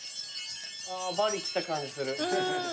あバリ来た感じする。